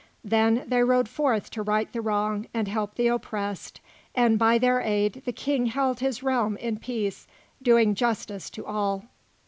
Then they rode forth to right the wrong and help the oppressed, and by their aid the King held his realm in peace, doing justice to all.